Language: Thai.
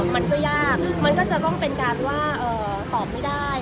มันก็ยากมันก็จะต้องเป็นการว่าตอบไม่ได้